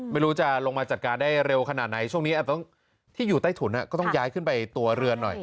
ไม่รู้จะลงมาจัดการได้เร็วขนาดไหนช่วงนี้ที่อยู่ใต้ถุนก็ต้องย้ายขึ้นไปตัวเรือนหน่อย